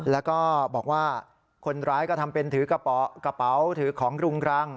แล้วก็บอกว่าคนร้ายก็ทำเป็นถือกระเป๋าถือของรุงรัง